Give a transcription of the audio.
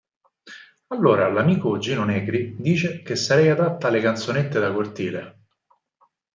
Allora l'amico Gino Negri dice che sarei adatta alle canzonette da cortile.